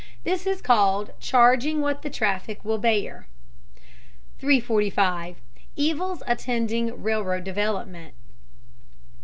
This is called "charging what the traffic will bear." 345. EVILS ATTENDING RAILROAD DEVELOPMENT.